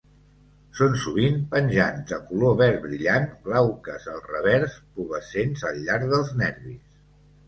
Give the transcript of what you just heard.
Són sovint penjants, de color verd brillant, glauques al revers, pubescents al llarg dels nervis.